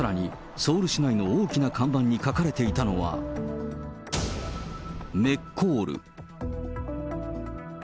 ソウル市内の大きな看板に書かれていたのは、メッコール。